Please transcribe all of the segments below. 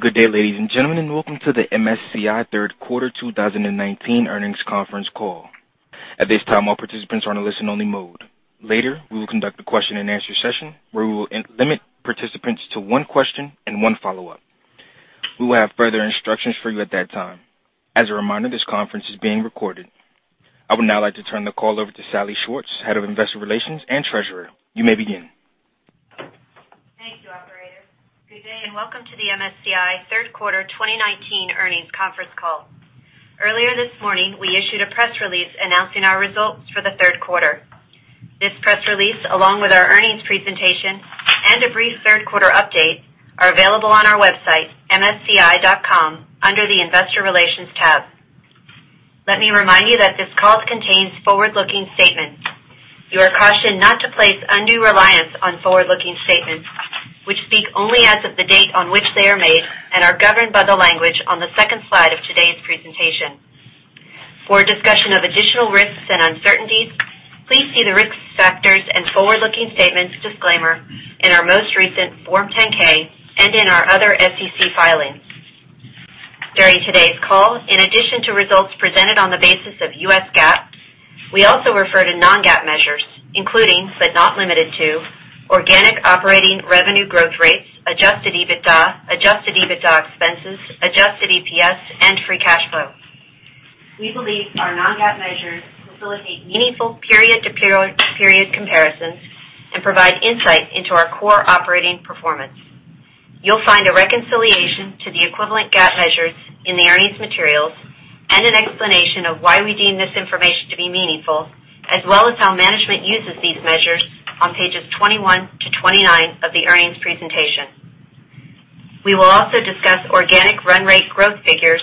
Good day, ladies and gentlemen, welcome to the MSCI Third Quarter 2019 Earnings Conference Call. At this time, all participants are in a listen only mode. Later, we will conduct a question and answer session where we will limit participants to one question and one follow-up. We will have further instructions for you at that time. As a reminder, this conference is being recorded. I would now like to turn the call over to Salli Schwartz, Head of Investor Relations and Treasurer. You may begin. Thank you, operator. Good day, and welcome to the MSCI Third Quarter 2019 Earnings Conference Call. Earlier this morning, we issued a press release announcing our results for the third quarter. This press release, along with our earnings presentation and a brief third quarter update, are available on our website, msci.com, under the investor relations tab. Let me remind you that this call contains forward-looking statements. You are cautioned not to place undue reliance on forward-looking statements, which speak only as of the date on which they are made and are governed by the language on the second slide of today's presentation. For a discussion of additional risks and uncertainties, please see the Risk Factors and Forward-looking Statements disclaimer in our most recent Form 10-K and in our other SEC filings. During today's call, in addition to results presented on the basis of U.S. GAAP, we also refer to non-GAAP measures, including, but not limited to, organic operating revenue growth rates, adjusted EBITDA, adjusted EBITDA expenses, adjusted EPS, and free cash flow. We believe our non-GAAP measures facilitate meaningful period to period comparisons and provide insight into our core operating performance. You'll find a reconciliation to the equivalent GAAP measures in the earnings materials and an explanation of why we deem this information to be meaningful, as well as how management uses these measures on pages 21 to 29 of the earnings presentation. We will also discuss organic run rate growth figures,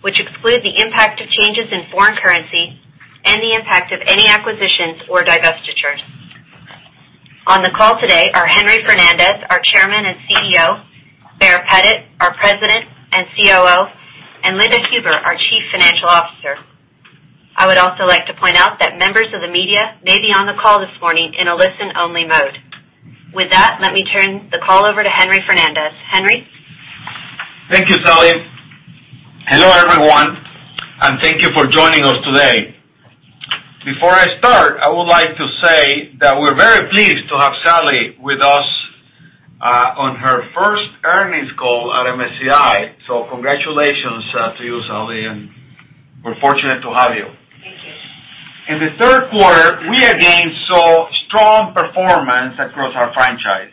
which exclude the impact of changes in foreign currency and the impact of any acquisitions or divestitures. On the call today are Henry Fernandez, our Chairman and CEO, Baer Pettit, our President and COO, and Linda Huber, our Chief Financial Officer. I would also like to point out that members of the media may be on the call this morning in a listen-only mode. With that, let me turn the call over to Henry Fernandez. Henry? Thank you, Salli. Hello, everyone, and thank you for joining us today. Before I start, I would like to say that we're very pleased to have Salli with us on her first earnings call at MSCI, so congratulations to you, Salli, and we're fortunate to have you. Thank you. In the third quarter, we again saw strong performance across our franchise.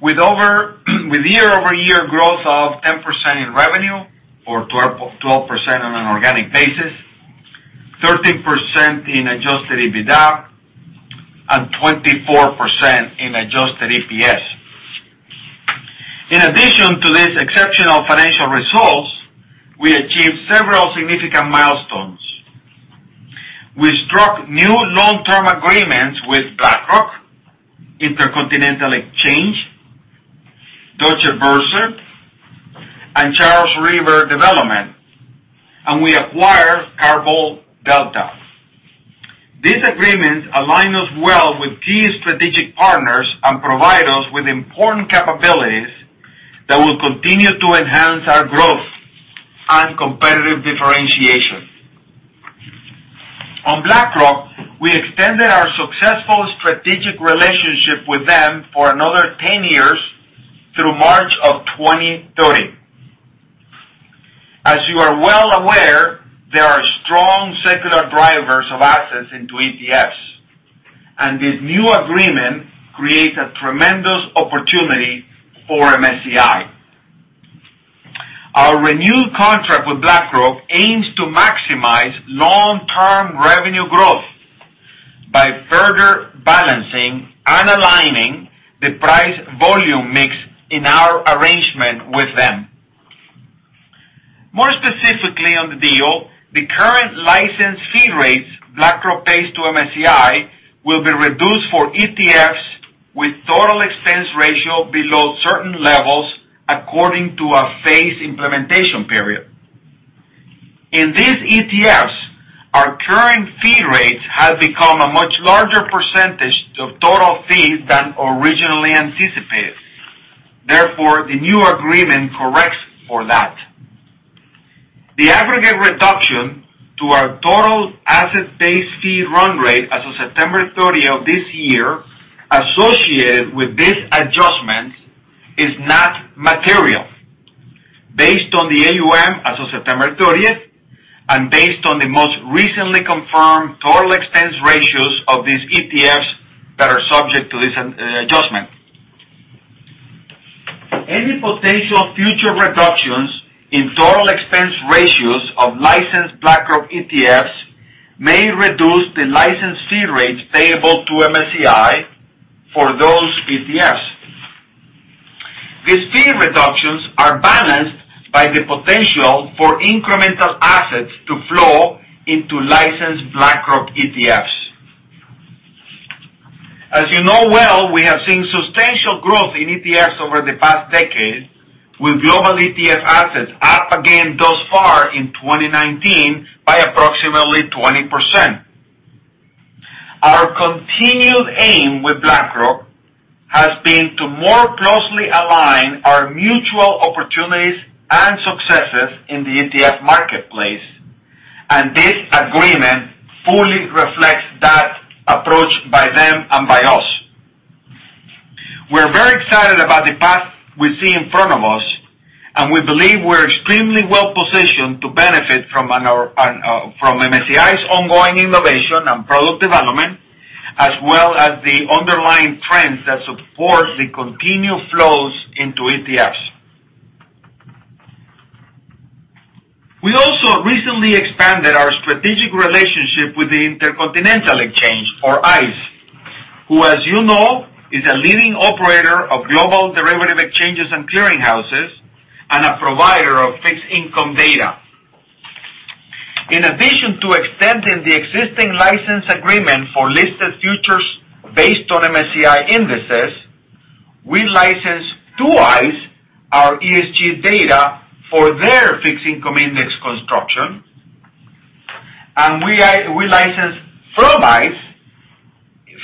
With year-over-year growth of 10% in revenue or 12% on an organic basis, 13% in adjusted EBITDA, and 24% in adjusted EPS. In addition to these exceptional financial results, we achieved several significant milestones. We struck new long-term agreements with BlackRock, Intercontinental Exchange, Deutsche Börse, and Charles River Development, and we acquired Carbon Delta. These agreements align us well with key strategic partners and provide us with important capabilities that will continue to enhance our growth and competitive differentiation. On BlackRock, we extended our successful strategic relationship with them for another 10 years through March of 2030. As you are well aware, there are strong secular drivers of assets into ETFs, and this new agreement creates a tremendous opportunity for MSCI. Our renewed contract with BlackRock aims to maximize long-term revenue growth by further balancing and aligning the price volume mix in our arrangement with them. More specifically on the deal, the current license fee rates BlackRock pays to MSCI will be reduced for ETFs with total expense ratio below certain levels according to a phase implementation period. In these ETFs, our current fee rates have become a much larger percentage of total fees than originally anticipated. Therefore, the new agreement corrects for that. The aggregate reduction to our total asset-based fee run rate as of September 30 of this year associated with this adjustment is not material, based on the AUM as of September 30th and based on the most recently confirmed total expense ratios of these ETFs that are subject to this adjustment. Any potential future reductions in total expense ratios of licensed BlackRock ETFs may reduce the license fee rates payable to MSCI for those ETFs. These fee reductions are balanced by the potential for incremental assets to flow into licensed BlackRock ETFs. As you know well, we have seen substantial growth in ETFs over the past decade, with global ETF assets up again thus far in 2019 by approximately 20%. Our continued aim with BlackRock has been to more closely align our mutual opportunities and successes in the ETF marketplace, and this agreement fully reflects that approach by them and by us. We're very excited about the path we see in front of us, and we believe we're extremely well positioned to benefit from MSCI's ongoing innovation and product development, as well as the underlying trends that support the continued flows into ETFs. We also recently expanded our strategic relationship with the Intercontinental Exchange, or ICE, who as you know, is a leading operator of global derivative exchanges and clearing houses and a provider of fixed income data. In addition to extending the existing license agreement for listed futures based on MSCI indices, we license to ICE our ESG data for their fixed income index construction, and we license from ICE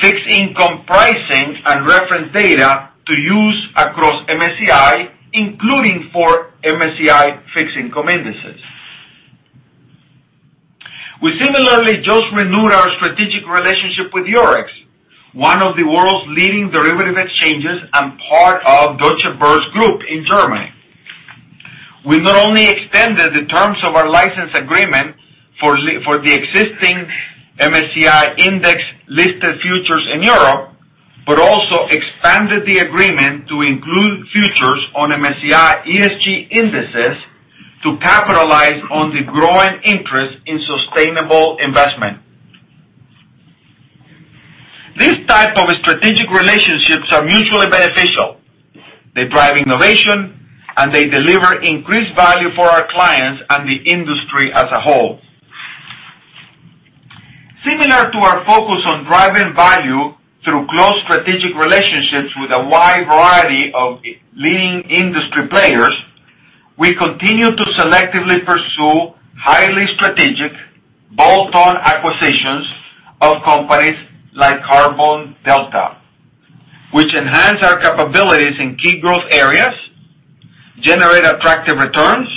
fixed income pricing and reference data to use across MSCI, including for MSCI fixed income indices. We similarly just renewed our strategic relationship with Eurex, one of the world's leading derivative exchanges and part of Deutsche Börse Group in Germany. We not only extended the terms of our license agreement for the existing MSCI index listed futures in Europe, but also expanded the agreement to include futures on MSCI ESG indices to capitalize on the growing interest in sustainable investment. These type of strategic relationships are mutually beneficial. They drive innovation, and they deliver increased value for our clients and the industry as a whole. Similar to our focus on driving value through close strategic relationships with a wide variety of leading industry players, we continue to selectively pursue highly strategic bolt-on acquisitions of companies like Carbon Delta, which enhance our capabilities in key growth areas, generate attractive returns,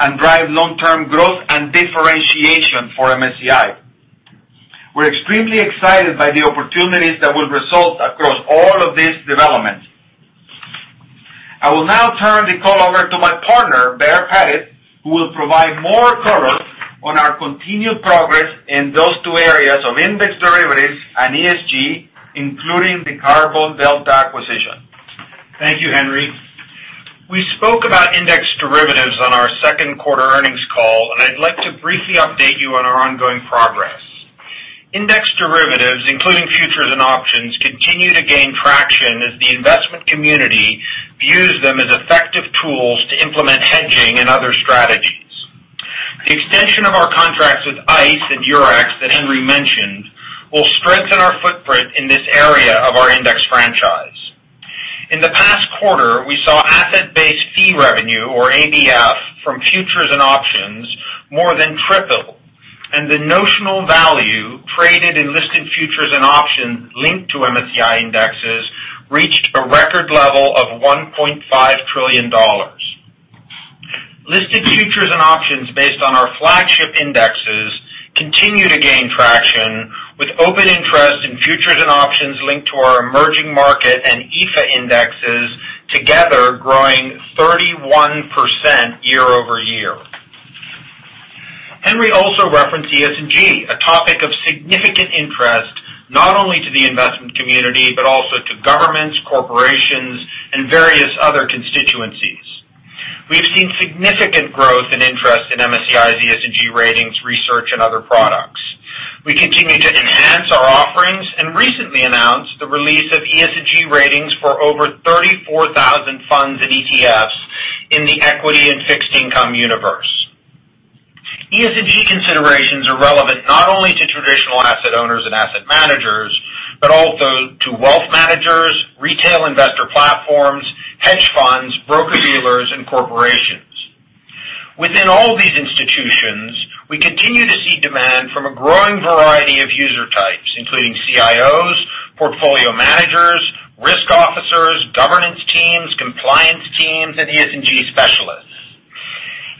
and drive long-term growth and differentiation for MSCI. We're extremely excited by the opportunities that will result across all of these developments. I will now turn the call over to my partner, Baer Pettit, who will provide more color on our continued progress in those two areas of index derivatives and ESG, including the Carbon Delta acquisition. Thank you, Henry. I'd like to briefly update you on our ongoing progress. We spoke about index derivatives on our second quarter earnings call. Index derivatives, including futures and options, continue to gain traction as the investment community views them as effective tools to implement hedging and other strategies. The extension of our contracts with ICE and Eurex that Henry mentioned will strengthen our footprint in this area of our index franchise. In the past quarter, we saw asset-based fee revenue, or ABF, from futures and options more than triple, and the notional value traded in listed futures and options linked to MSCI indexes reached a record level of $1.5 trillion. Listed futures and options based on our flagship indexes continue to gain traction with open interest in futures and options linked to our emerging market and EAFE indexes together growing 31% year-over-year. Henry also referenced ESG, a topic of significant interest not only to the investment community, but also to governments, corporations, and various other constituencies. We've seen significant growth and interest in MSCI's ESG ratings, research, and other products. We continue to enhance our offerings and recently announced the release of ESG ratings for over 34,000 funds and ETFs in the equity and fixed income universe. ESG considerations are relevant not only to traditional asset owners and asset managers, but also to wealth managers, retail investor platforms, hedge funds, broker-dealers, and corporations. Within all these institutions, we continue to see demand from a growing variety of user types, including CIOs, portfolio managers, risk officers, governance teams, compliance teams, and ESG specialists.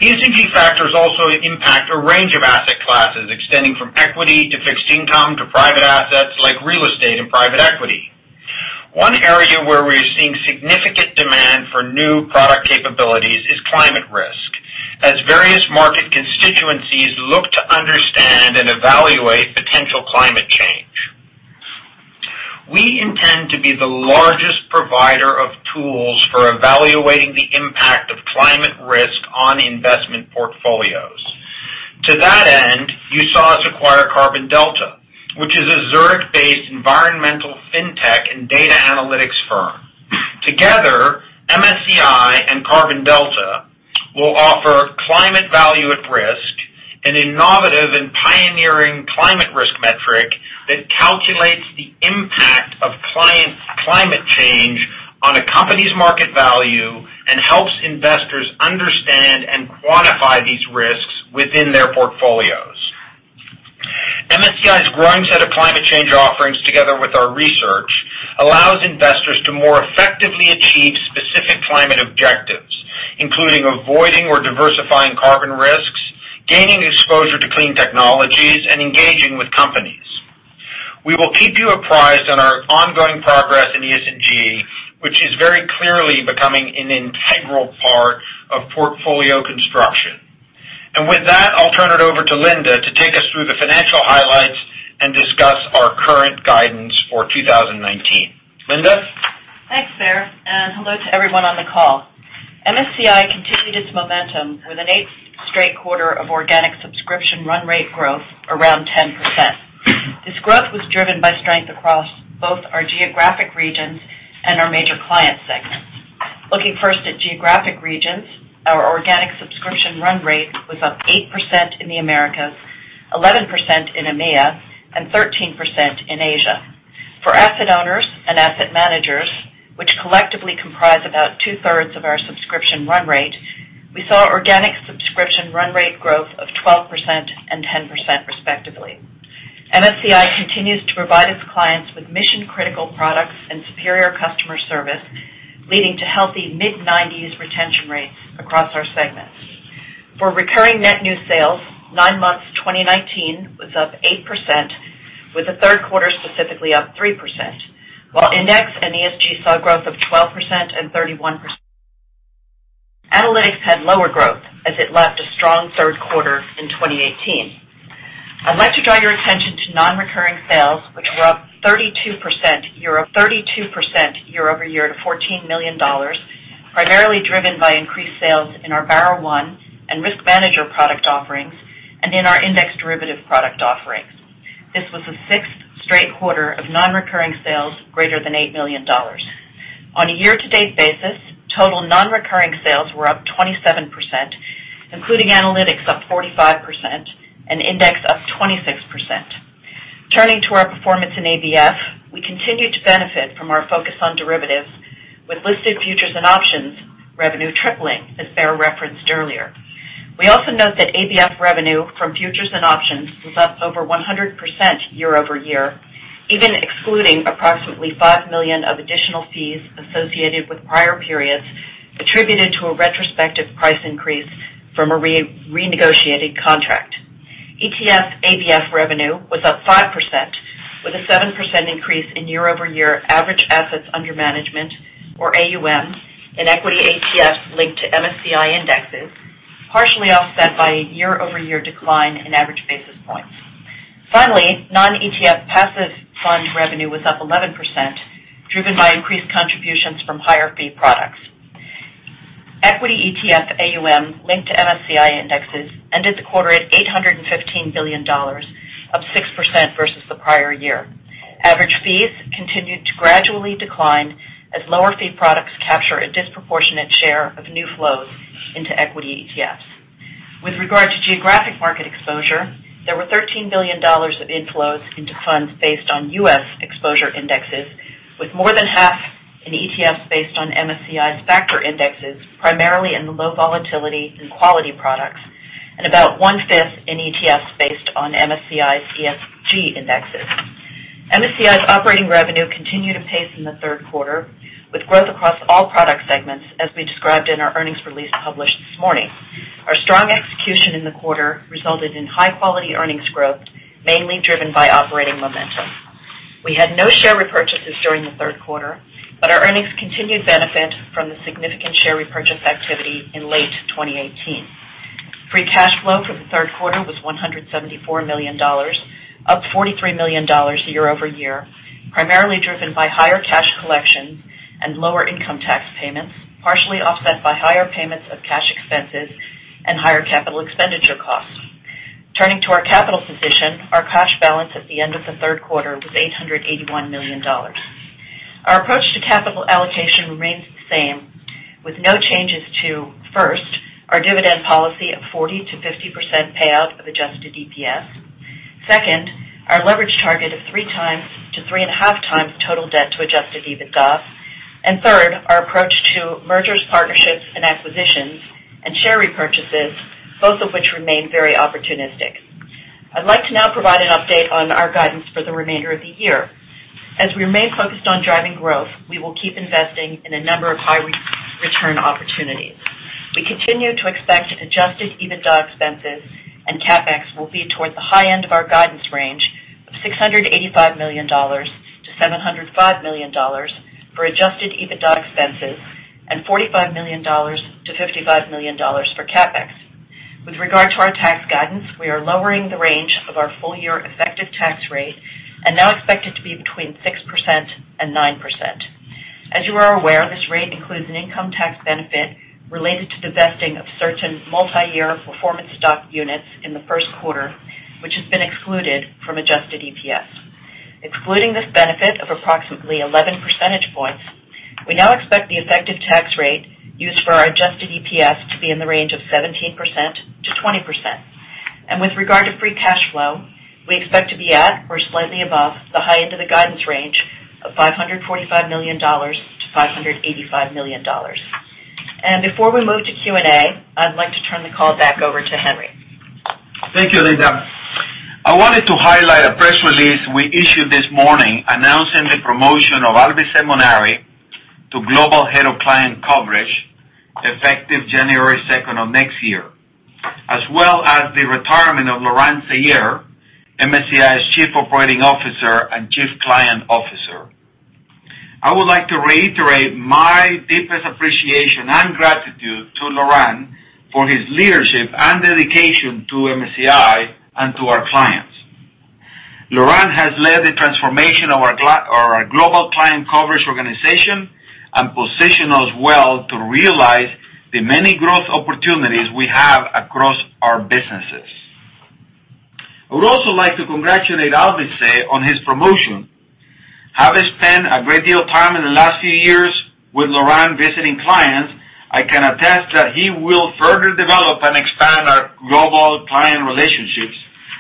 ESG factors also impact a range of asset classes, extending from equity to fixed income to private assets like real estate and private equity. One area where we're seeing significant demand for new product capabilities is climate risk, as various market constituencies look to understand and evaluate potential climate change. We intend to be the largest provider of tools for evaluating the impact of climate risk on investment portfolios. To that end, you saw us acquire Carbon Delta, which is a Zurich-based environmental fintech and data analytics firm. Together, MSCI and Carbon Delta will offer Climate Value-at-Risk, an innovative and pioneering climate risk metric that calculates the impact-Climate change on a company's market value and helps investors understand and quantify these risks within their portfolios. MSCI's growing set of climate change offerings, together with our research, allows investors to more effectively achieve specific climate objectives, including avoiding or diversifying carbon risks, gaining exposure to clean technologies, and engaging with companies. We will keep you apprised on our ongoing progress in ESG, which is very clearly becoming an integral part of portfolio construction. With that, I'll turn it over to Linda to take us through the financial highlights and discuss our current guidance for 2019. Linda? Thanks, Baer, and hello to everyone on the call. MSCI continued its momentum with an eighth straight quarter of organic subscription run rate growth around 10%. This growth was driven by strength across both our geographic regions and our major client segments. Looking first at geographic regions, our organic subscription run rate was up 8% in the Americas, 11% in EMEA, and 13% in Asia. For asset owners and asset managers, which collectively comprise about two-thirds of our subscription run rate, we saw organic subscription run rate growth of 12% and 10%, respectively. MSCI continues to provide its clients with mission-critical products and superior customer service, leading to healthy mid-nineties retention rates across our segments. For recurring net new sales, nine months 2019 was up 8%, with the third quarter specifically up 3%, while Index and ESG saw growth of 12% and 31%. Analytics had lower growth as it lacked a strong third quarter in 2018. I'd like to draw your attention to non-recurring sales, which were up 32% year-over-year to $14 million, primarily driven by increased sales in our BarraOne and RiskManager product offerings and in our Index derivative product offerings. This was the sixth straight quarter of non-recurring sales greater than $8 million. On a year-to-date basis, total non-recurring sales were up 27%, including analytics up 45% and Index up 26%. Turning to our performance in ABF, we continue to benefit from our focus on derivatives, with listed futures and options revenue tripling, as Baer referenced earlier. We also note that ABF revenue from futures and options was up over 100% year-over-year, even excluding approximately $5 million of additional fees associated with prior periods attributed to a retrospective price increase from a renegotiated contract. ETF ABF revenue was up 5%, with a 7% increase in year-over-year average assets under management, or AUM, in equity ETFs linked to MSCI indexes, partially offset by a year-over-year decline in average basis points. Finally, non-ETF passive fund revenue was up 11%, driven by increased contributions from higher fee products. Equity ETF AUM linked to MSCI indexes ended the quarter at $815 billion, up 6% versus the prior year. Average fees continued to gradually decline as lower fee products capture a disproportionate share of new flows into equity ETFs. With regard to geographic market exposure, there were $13 billion of inflows into funds based on U.S. exposure indexes, with more than half in ETFs based on MSCI's factor indexes, primarily in the low volatility and quality products, and about one-fifth in ETFs based on MSCI's ESG indexes. MSCI's operating revenue continued apace in the third quarter, with growth across all product segments, as we described in our earnings release published this morning. Our strong execution in the quarter resulted in high-quality earnings growth, mainly driven by operating momentum. We had no share repurchases during the third quarter, but our earnings continued benefit from the significant share repurchase activity in late 2018. Free cash flow for the third quarter was $174 million, up $43 million year-over-year, primarily driven by higher cash collections and lower income tax payments, partially offset by higher payments of cash expenses and higher capital expenditure costs. Turning to our capital position, our cash balance at the end of the third quarter was $881 million. Our approach to capital allocation remains the same, with no changes to, first, our dividend policy of 40%-50% payout of adjusted EPS. Second, our leverage target of 3 times to 3.5 times total debt to adjusted EBITDA. Third, our approach to mergers, partnerships, and acquisitions and share repurchases, both of which remain very opportunistic. I'd like to now provide an update on our guidance for the remainder of the year. As we remain focused on driving growth, we will keep investing in a number of high return opportunities. We continue to expect adjusted EBITDA expenses and CapEx will be toward the high end of our guidance range of $685 million-$705 million for adjusted EBITDA expenses and $45 million-$55 million for CapEx. With regard to our tax guidance, we are lowering the range of our full-year effective tax rate and now expect it to be between 6% and 9%. As you are aware, this rate includes an income tax benefit related to divesting of certain multi-year performance stock units in the first quarter, which has been excluded from adjusted EPS. Excluding this benefit of approximately 11 percentage points, we now expect the effective tax rate used for our adjusted EPS to be in the range of 17%-20%. With regard to free cash flow, we expect to be at or slightly above the high end of the guidance range of $545 million to $585 million. Before we move to Q&A, I'd like to turn the call back over to Henry. Thank you, Linda. I wanted to highlight a press release we issued this morning announcing the promotion of Alvise Munari to Global Head of Client Coverage effective January 2nd of next year, as well as the retirement of Laurent Seyer, MSCI's Chief Operating Officer and Chief Client Officer. I would like to reiterate my deepest appreciation and gratitude to Laurent for his leadership and dedication to MSCI and to our clients. Laurent has led the transformation of our global client coverage organization and positioned us well to realize the many growth opportunities we have across our businesses. I would also like to congratulate Alvise on his promotion. Having spent a great deal of time in the last few years with Laurent Seyer visiting clients, I can attest that he will further develop and expand our global client relationships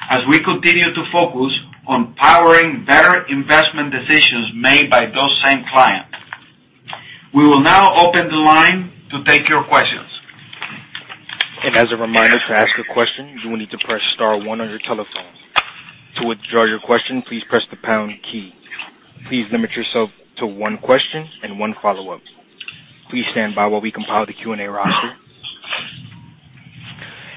as we continue to focus on powering better investment decisions made by those same clients. We will now open the line to take your questions. As a reminder, to ask a question, you will need to press star one on your telephone. To withdraw your question, please press the # key. Please limit yourself to one question and one follow-up. Please stand by while we compile the Q&A roster.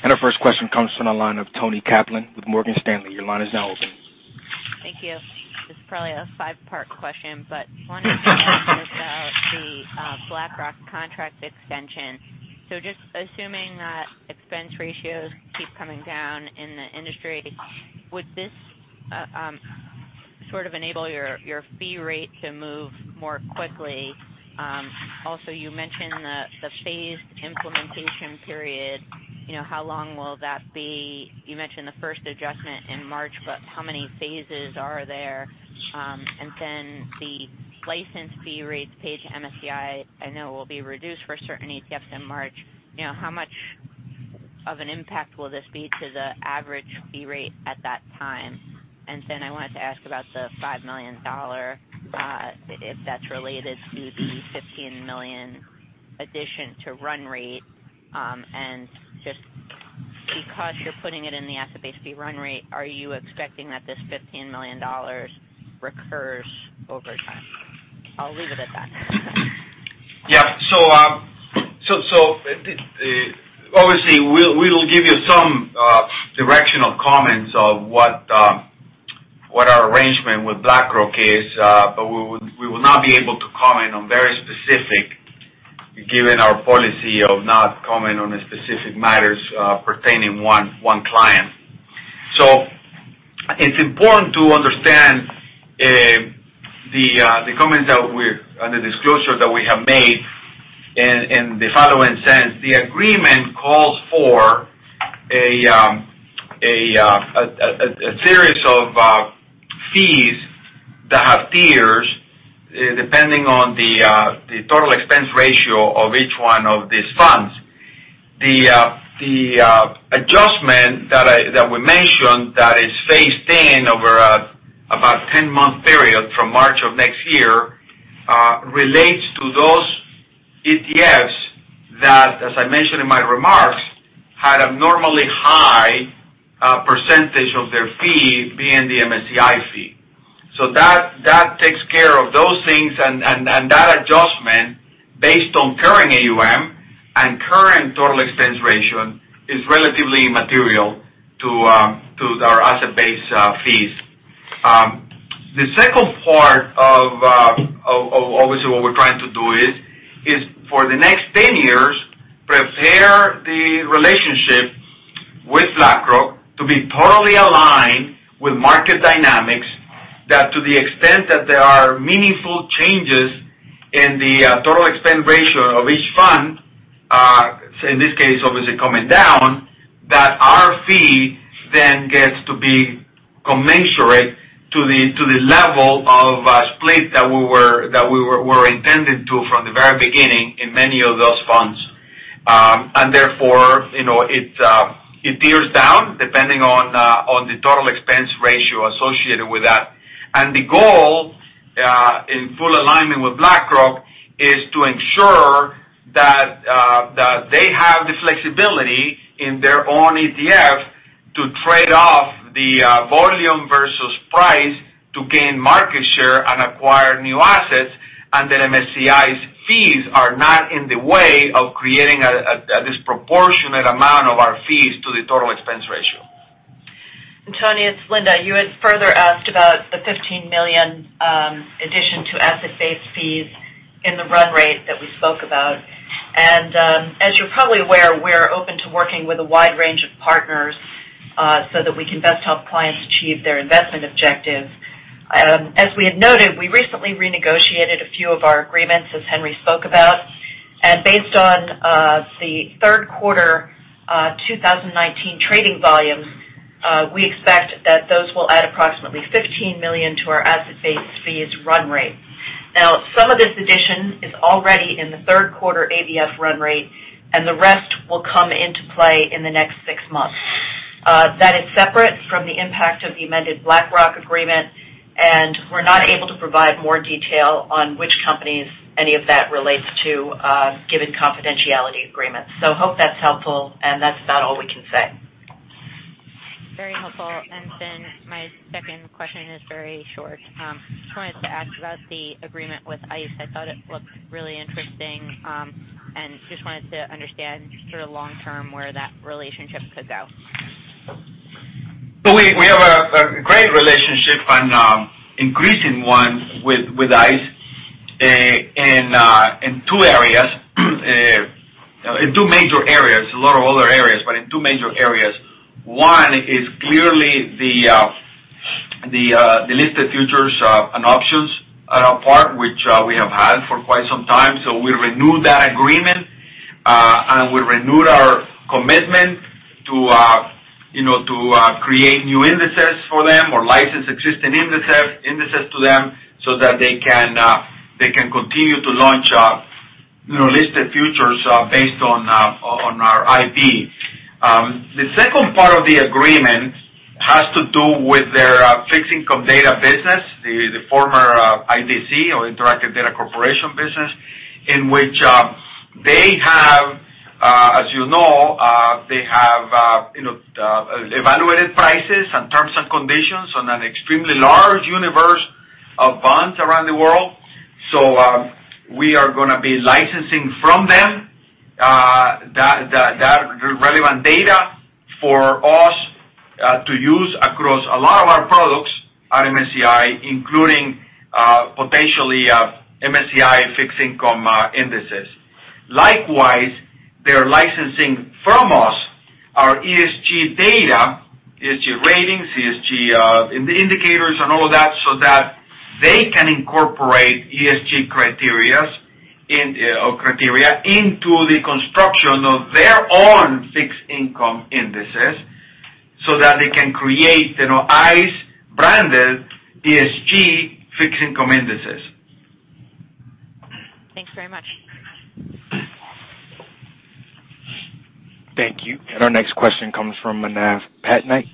Our first question comes from the line of Toni Kaplan with Morgan Stanley. Your line is now open. Thank you. This is probably a five-part question, I wanted to ask about the BlackRock contract extension. Just assuming that expense ratios keep coming down in the industry, would this enable your fee rate to move more quickly? Also, you mentioned the phased implementation period, how long will that be? You mentioned the first adjustment in March, how many phases are there? The license fee rates paid to MSCI, I know will be reduced for certain ETFs in March. How much of an impact will this be to the average fee rate at that time? I wanted to ask about the $5 million, if that's related to the $15 million addition to run rate. Just because you're putting it in the asset base fee run rate, are you expecting that this $15 million recurs over time? I'll leave it at that. Obviously, we'll give you some directional comments of what our arrangement with BlackRock is, but we will not be able to comment on very specific, given our policy of not commenting on the specific matters pertaining one client. It's important to understand the comments and the disclosure that we have made in the following sense. The agreement calls for a series of fees that have tiers depending on the total expense ratio of each one of these funds. The adjustment that we mentioned that is phased in over about a 10-month period from March of next year relates to those ETFs that, as I mentioned in my remarks, had abnormally high percentage of their fee being the MSCI fee. That takes care of those things, and that adjustment based on current AUM and current total expense ratio is relatively immaterial to our asset-based fees. The second part of obviously what we're trying to do is, for the next 10 years, prepare the relationship with BlackRock to be totally aligned with market dynamics that to the extent that there are meaningful changes in the total expense ratio of each fund, in this case, obviously coming down, that our fee then gets to be commensurate to the level of split that we were intending to from the very beginning in many of those funds. Therefore, it tiers down depending on the total expense ratio associated with that. The goal, in full alignment with BlackRock, is to ensure that they have the flexibility in their own ETF to trade off the volume versus price to gain market share and acquire new assets, and that MSCI's fees are not in the way of creating a disproportionate amount of our fees to the total expense ratio. Toni, it's Linda. You had further asked about the $15 million addition to asset-based fees in the run rate that we spoke about. As you're probably aware, we're open to working with a wide range of partners so that we can best help clients achieve their investment objectives. As we had noted, we recently renegotiated a few of our agreements, as Henry spoke about, and based on the third quarter 2019 trading volumes, we expect that those will add approximately $15 million to our asset-based fees run rate. Now, some of this addition is already in the third quarter ABF run rate, and the rest will come into play in the next six months. That is separate from the impact of the amended BlackRock agreement, and we're not able to provide more detail on which companies any of that relates to, given confidentiality agreements. Hope that's helpful, and that's about all we can say. Very helpful. My second question is very short. Just wanted to ask about the agreement with ICE. I thought it looked really interesting, and just wanted to understand sort of long term where that relationship could go. We have a great relationship and increasing one with ICE in two major areas. A lot of other areas, but in two major areas. One is clearly the listed futures and options part, which we have had for quite some time. We renewed that agreement, and we renewed our commitment to create new indices for them or license existing indices to them so that they can continue to launch listed futures based on our IP. The second part of the agreement has to do with their fixed income data business, the former IDC or Interactive Data Corporation business, in which they have, as you know, evaluated prices and terms and conditions on an extremely large universe of bonds around the world. We are going to be licensing from them that relevant data for us to use across a lot of our products at MSCI, including potentially MSCI fixed income indices. Likewise, they're licensing from us our ESG data, ESG ratings, ESG indicators, and all that, so that they can incorporate ESG criteria into the construction of their own fixed income indices so that they can create ICE branded ESG fixed income indices. Thanks very much. Thank you. Our next question comes from Manav Patnaik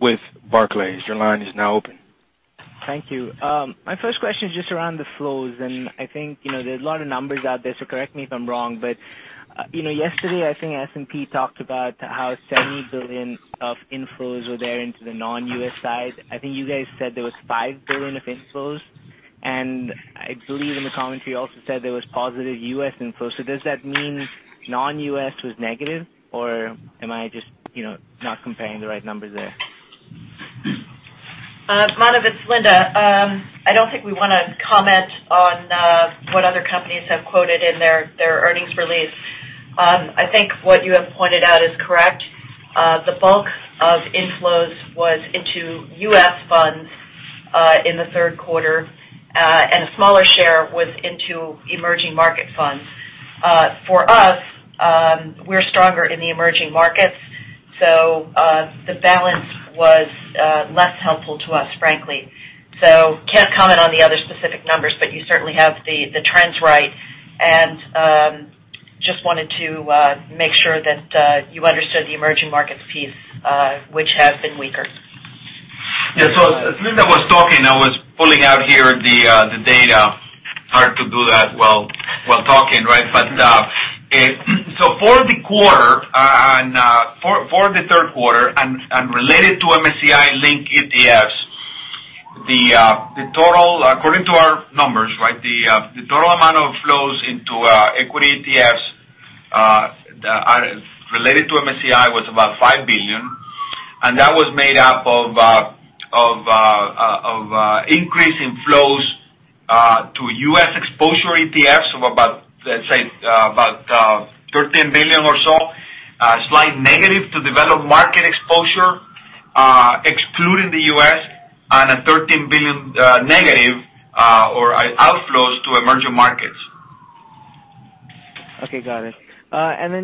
with Barclays. Your line is now open. Thank you. My first question is just around the flows. I think there's a lot of numbers out there, so correct me if I'm wrong. Yesterday, I think S&P talked about how $70 billion of inflows were there into the non-U.S. side. I think you guys said there was $5 billion of inflows. I believe in the commentary, you also said there was positive U.S. inflows. Does that mean non-U.S. was negative, or am I just not comparing the right numbers there? Manav, it's Linda. I don't think we want to comment on what other companies have quoted in their earnings release. I think what you have pointed out is correct. The bulk of inflows was into U.S. funds in the third quarter, and a smaller share was into emerging market funds. For us, we're stronger in the emerging markets, so the balance was less helpful to us, frankly. Can't comment on the other specific numbers, but you certainly have the trends right. Just wanted to make sure that you understood the emerging markets piece, which has been weaker. Yeah. As Linda was talking, I was pulling out here the data. Hard to do that while talking, right? For the third quarter, and related to MSCI link ETFs, according to our numbers, the total amount of flows into equity ETFs that are related to MSCI was about $5 billion, and that was made up of increase in flows to U.S. exposure ETFs of about, let's say, $13 billion or so, a slight negative to develop market exposure excluding the U.S., and a $13 billion negative or outflows to emerging markets. Okay, got it.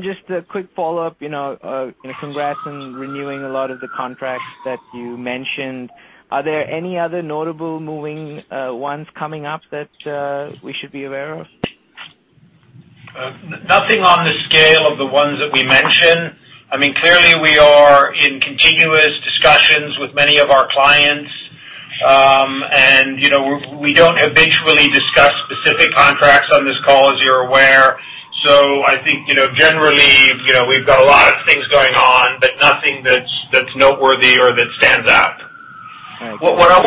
Just a quick follow-up. Congrats on renewing a lot of the contracts that you mentioned. Are there any other notable moving ones coming up that we should be aware of? Nothing on the scale of the ones that we mentioned. Clearly, we are in continuous discussions with many of our clients. We don't habitually discuss specific contracts on this call, as you're aware. I think generally, we've got a lot of things going on, but nothing that's noteworthy or that stands out. Thank you. What I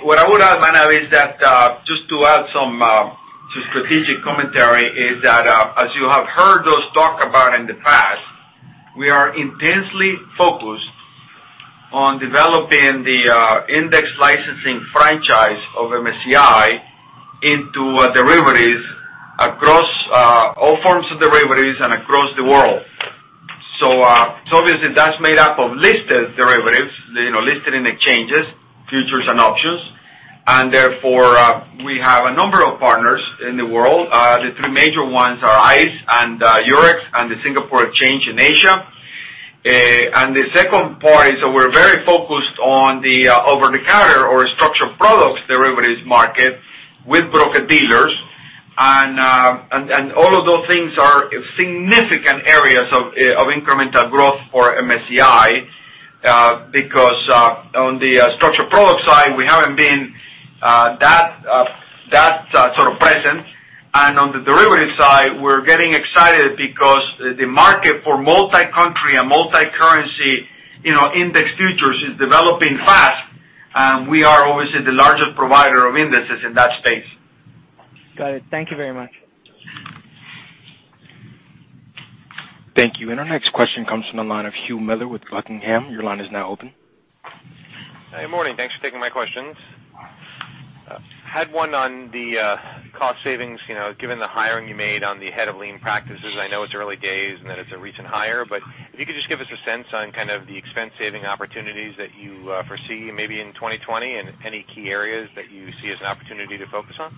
would add, Manav, just to add some strategic commentary, is that as you have heard us talk about in the past, we are intensely focused on developing the index licensing franchise of MSCI into derivatives across all forms of derivatives and across the world. Obviously, that's made up of listed derivatives, listed in exchanges, futures, and options. Therefore, we have a number of partners in the world. The three major ones are ICE and Eurex and the Singapore Exchange in Asia. We're very focused on the over-the-counter or structured products derivatives market with broker-dealers. All of those things are significant areas of incremental growth for MSCI, because on the structured products side, we haven't been that present. On the derivatives side, we're getting excited because the market for multi-country and multi-currency index futures is developing fast, and we are obviously the largest provider of indices in that space. Got it. Thank you very much. Thank you. Our next question comes from the line of Hugh Miller with Buckingham. Your line is now open. Good morning. Thanks for taking my questions. Had one on the cost savings, given the hiring you made on the head of lean practices. I know it's early days and that it's a recent hire, but if you could just give us a sense on kind of the expense saving opportunities that you foresee maybe in 2020 and any key areas that you see as an opportunity to focus on.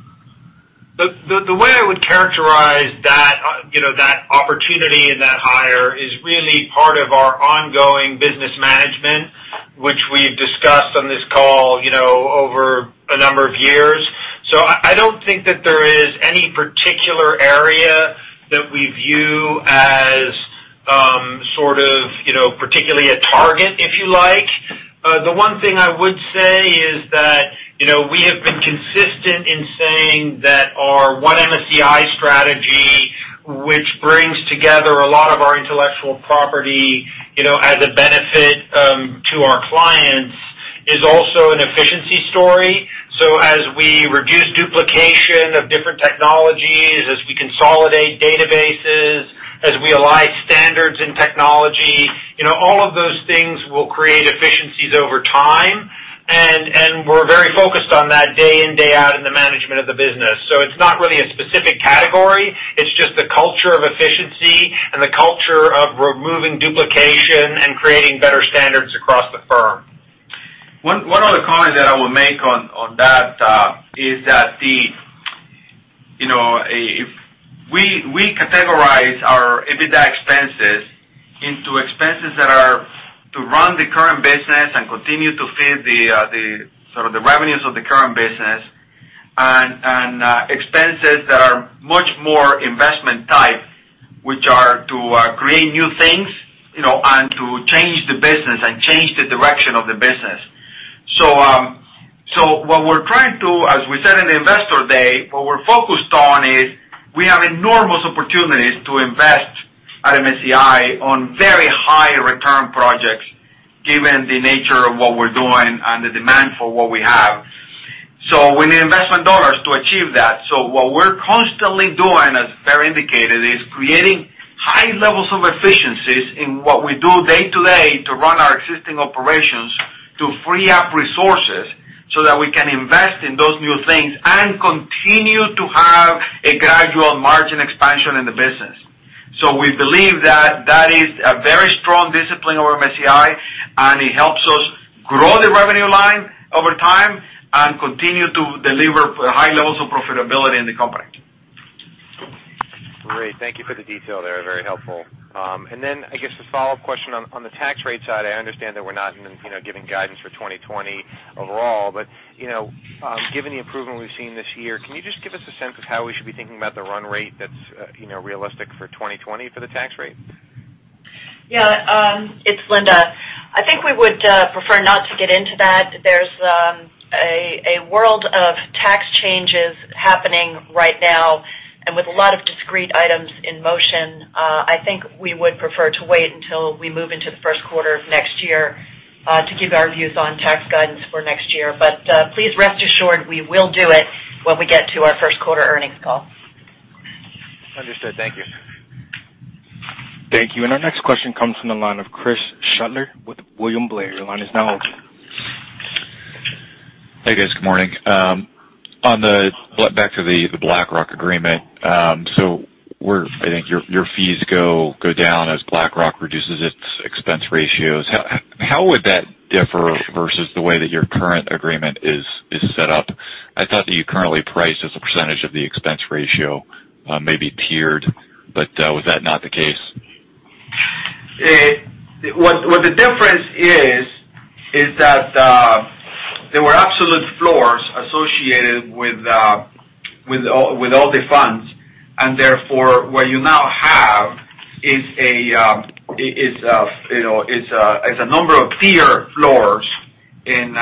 The way I would characterize that opportunity and that hire is really part of our ongoing business management, which we've discussed on this call over a number of years. I don't think that there is any particular area that we view as sort of particularly a target, if you like. The one thing I would say is that, we have been consistent in saying that our One MSCI strategy, which brings together a lot of our intellectual property, as a benefit to our clients, is also an efficiency story. As we reduce duplication of different technologies, as we consolidate databases, as we align standards in technology, all of those things will create efficiencies over time. We're very focused on that day in, day out in the management of the business. It's not really a specific category. It's just the culture of efficiency and the culture of removing duplication and creating better standards across the firm. One other comment that I would make on that is that if we categorize our EBITDA expenses into expenses that are to run the current business and continue to feed the revenues of the current business, and expenses that are much more investment type, which are to create new things, and to change the business and change the direction of the business. What we're trying to, as we said in the Investor Day, what we're focused on is we have enormous opportunities to invest at MSCI on very high return projects, given the nature of what we're doing and the demand for what we have. We need investment dollars to achieve that. What we're constantly doing, as Baer Pettit indicated, is creating high levels of efficiencies in what we do day to day to run our existing operations, to free up resources so that we can invest in those new things and continue to have a gradual margin expansion in the business. We believe that that is a very strong discipline over MSCI, and it helps us grow the revenue line over time and continue to deliver high levels of profitability in the company. Great. Thank you for the detail there. Very helpful. I guess a follow-up question on the tax rate side. I understand that we're not giving guidance for 2020 overall, but given the improvement we've seen this year, can you just give us a sense of how we should be thinking about the run rate that's realistic for 2020 for the tax rate? Yeah. It's Linda. I think we would prefer not to get into that. There's a world of tax changes happening right now, and with a lot of discrete items in motion. I think we would prefer to wait until we move into the first quarter of next year to give our views on tax guidance for next year. Please rest assured we will do it when we get to our first quarter earnings call. Understood. Thank you. Thank you. Our next question comes from the line of Chris Shutler with William Blair. Your line is now open. Hey, guys. Good morning. Back to the BlackRock agreement. I think your fees go down as BlackRock reduces its expense ratios. How would that differ versus the way that your current agreement is set up? I thought that you currently price as a percentage of the expense ratio, maybe tiered, but was that not the case? What the difference is that there were absolute floors associated with all the funds, and therefore, what you now have is a number of tier floors in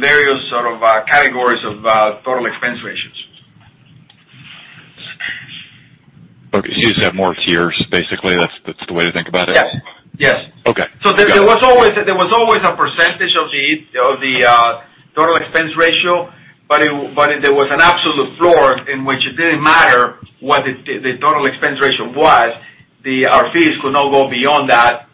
various sort of categories of total expense ratios. Okay. You just have more tiers, basically, that's the way to think about it? Yes. Okay. There was always a percentage of the total expense ratio, but there was an absolute floor in which it didn't matter what the total expense ratio was. Our fees could not go below that.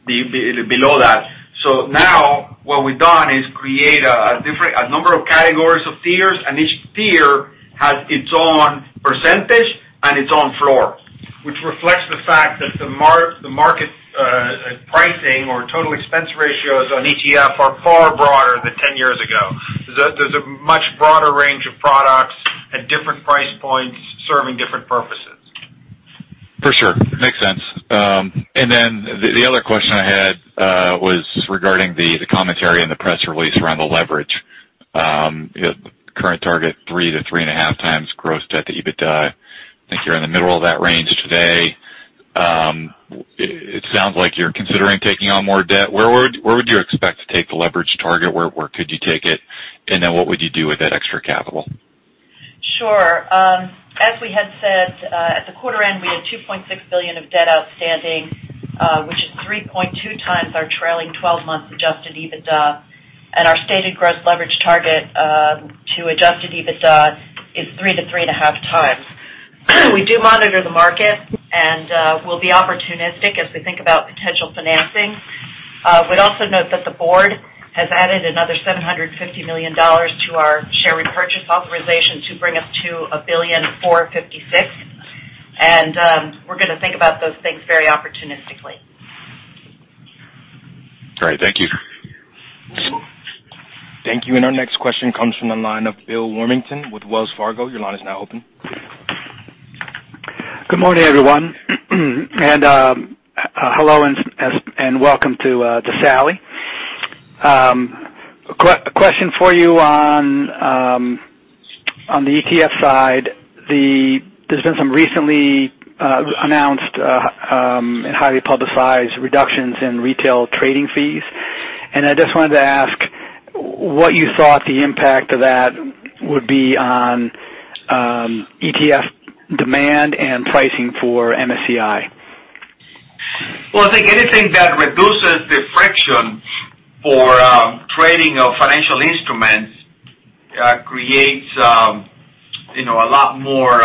Now what we've done is create a number of categories of tiers, and each tier has its own percentage and its own floor. Which reflects the fact that the market pricing or total expense ratios on ETF are far broader than 10 years ago. There's a much broader range of products. points serving different purposes. For sure. Makes sense. The other question I had was regarding the commentary in the press release around the leverage. Current target three to three and a half times gross debt to EBITDA. I think you're in the middle of that range today. It sounds like you're considering taking on more debt. Where would you expect to take the leverage target? Where could you take it? What would you do with that extra capital? Sure. As we had said, at the quarter end, we had $2.6 billion of debt outstanding, which is 3.2 times our trailing 12-month adjusted EBITDA. Our stated gross leverage target to adjusted EBITDA is 3 to 3.5 times. We do monitor the market, and we'll be opportunistic as we think about potential financing. Would also note that the board has added another $750 million to our share repurchase authorization to bring us to $1.456 billion. We're going to think about those things very opportunistically. Great. Thank you. Thank you. Our next question comes from the line of Bill Warmington with Wells Fargo. Your line is now open. Good morning, everyone. Hello and welcome to Salli. A question for you on the ETF side. There's been some recently announced and highly publicized reductions in retail trading fees. I just wanted to ask what you thought the impact of that would be on ETF demand and pricing for MSCI. Well, I think anything that reduces the friction for trading of financial instruments creates a lot more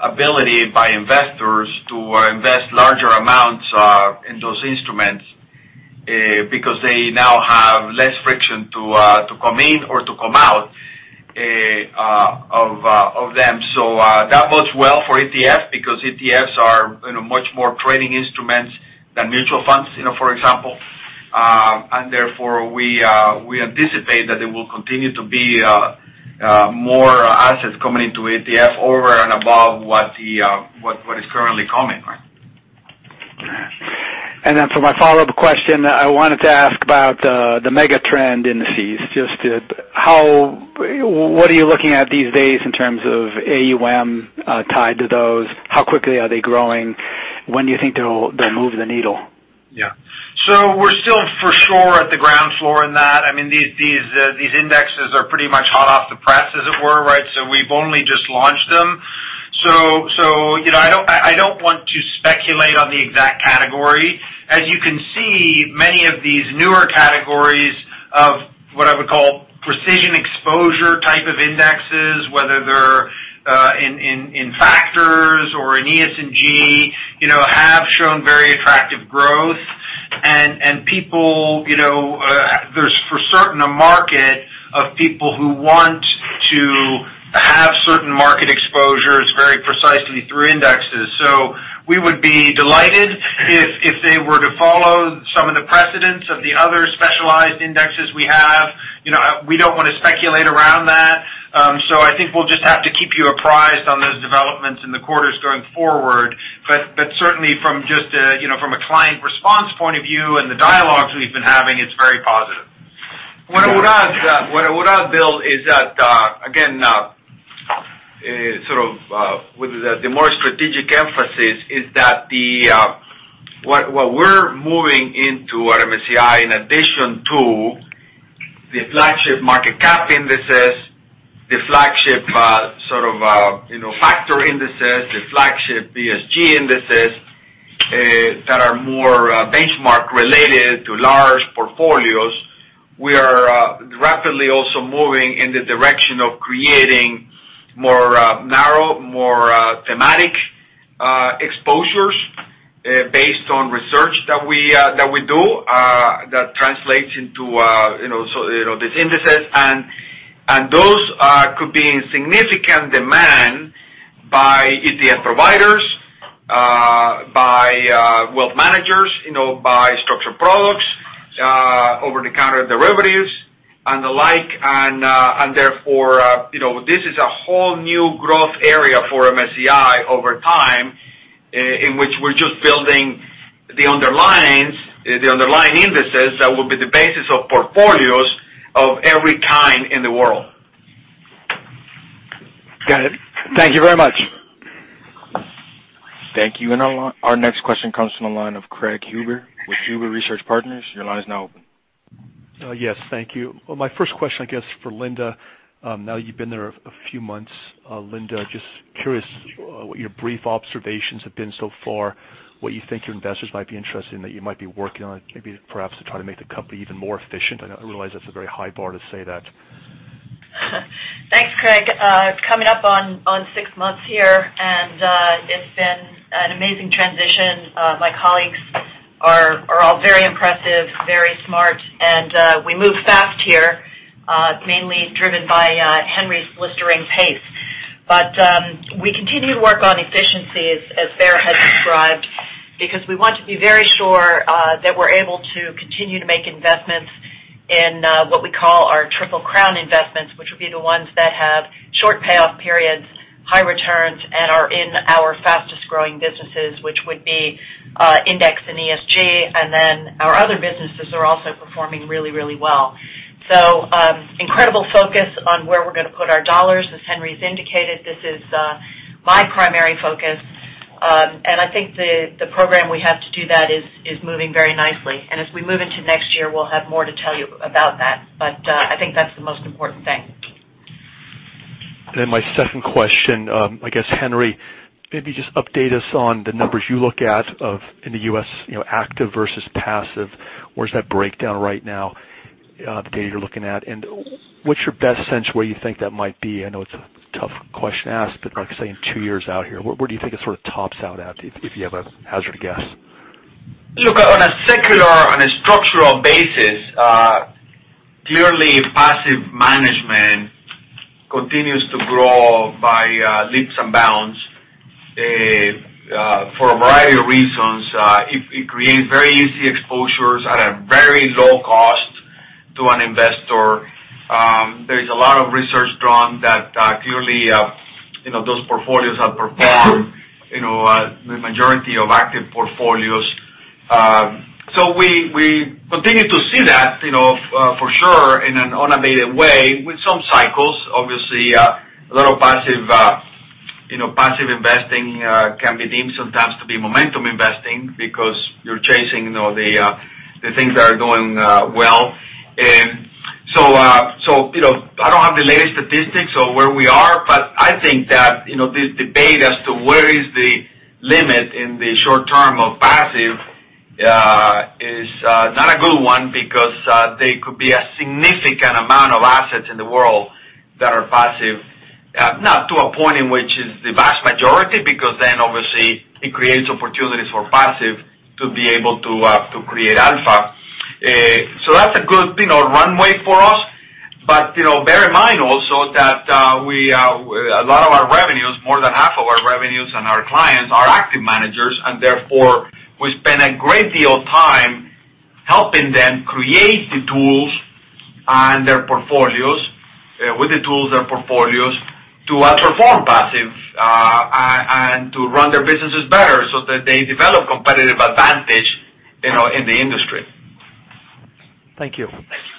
ability by investors to invest larger amounts in those instruments, because they now have less friction to come in or to come out of them. That bodes well for ETFs because ETFs are much more trading instruments than mutual funds, for example. Therefore, we anticipate that there will continue to be more assets coming into ETF over and above what is currently coming. Then for my follow-up question, I wanted to ask about the mega trend indices. Just what are you looking at these days in terms of AUM tied to those? How quickly are they growing? When do you think they'll move the needle? We're still for sure at the ground floor in that. These indexes are pretty much hot off the press, as it were, right? We've only just launched them. I don't want to speculate on the exact category. As you can see, many of these newer categories of what I would call precision exposure type of indexes, whether they're in factors or in ESG, have shown very attractive growth. There's for certain, a market of people who want to have certain market exposures very precisely through indexes. We would be delighted if they were to follow some of the precedents of the other specialized indexes we have. We don't want to speculate around that. I think we'll just have to keep you apprised on those developments in the quarters going forward. Certainly from a client response point of view and the dialogues we've been having, it's very positive. What I would add, Bill, is that, again, the more strategic emphasis is that what we're moving into at MSCI, in addition to the flagship market cap indices, the flagship factor indices, the flagship ESG indices that are more benchmark related to large portfolios. We are rapidly also moving in the direction of creating more narrow, more thematic exposures based on research that we do that translates into these indices. Those could be in significant demand by ETF providers, by wealth managers, by structured products, over-the-counter derivatives, and the like. Therefore, this is a whole new growth area for MSCI over time, in which we're just building the underlying indices that will be the basis of portfolios of every kind in the world. Got it. Thank you very much. Thank you. Our next question comes from the line of Craig Huber with Huber Research Partners. Your line is now open. Yes. Thank you. My first question, I guess for Linda. Now you've been there a few months, Linda, just curious what your brief observations have been so far, what you think your investors might be interested in, that you might be working on, maybe perhaps to try to make the company even more efficient. I realize that's a very high bar to say that. Thanks, Craig. Coming up on six months here, and it's been an amazing transition. My colleagues are all very impressive, very smart, and we move fast here, mainly driven by Henry's blistering pace. We continue to work on efficiency, as Baer Pettit described, because we want to be very sure that we're able to continue to make investments in what we call Triple Crown investments, which would be the ones that have short payoff periods, high returns, and are in our fastest-growing businesses, which would be index and ESG. Then our other businesses are also performing really well. Incredible focus on where we're going to put our dollars. As Henry's indicated, this is my primary focus. I think the program we have to do that is moving very nicely. As we move into next year, we'll have more to tell you about that. I think that's the most important thing. Then my second question, I guess, Henry, maybe just update us on the numbers you look at in the U.S., active versus passive. Where's that breakdown right now, the data you're looking at? And what's your best sense where you think that might be? I know it's a tough question asked, but like I say, in two years out here, where do you think it tops out at, if you have a hazard guess? Look, on a secular, on a structural basis, clearly passive management continues to grow by leaps and bounds for a variety of reasons. It creates very easy exposures at a very low cost to an investor. There is a lot of research drawn that clearly those portfolios have performed the majority of active portfolios. We continue to see that for sure, in an unabated way with some cycles. Obviously, a lot of passive investing can be deemed sometimes to be momentum investing because you're chasing the things that are doing well. I don't have the latest statistics of where we are, but I think that this debate as to where is the limit in the short term of passive is not a good one because there could be a significant amount of assets in the world that are passive, not to a point in which is the vast majority because then obviously it creates opportunities for passive to be able to create alpha. That's a good runway for us. Bear in mind also that a lot of our revenues, more than half of our revenues and our clients are active managers, and therefore, we spend a great deal of time helping them create the tools and their portfolios, with the tools their portfolios to outperform passive, and to run their businesses better so that they develop competitive advantage in the industry. Thank you. Thank you.